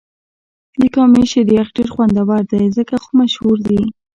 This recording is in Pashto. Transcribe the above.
د کامی شیر یخ ډېر خوندور دی ځکه خو مشهور دې.